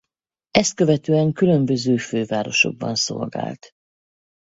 Ezt követően különböző fővárosokban szolgált.